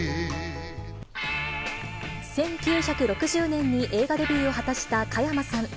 １９６０年に映画デビューを果たした加山さん。